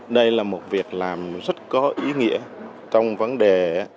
đây là một việc làm rất có ý nghĩa trong vấn đề